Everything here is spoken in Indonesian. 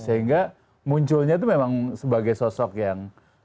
sehingga munculnya itu memang sebagai sosok yang